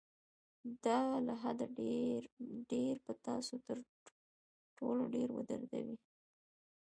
دا له حده ډېر به تاسو تر ټولو ډېر ودردوي.